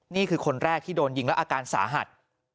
นี่คือคนแรกที่โดนยิงและอาการสาหัส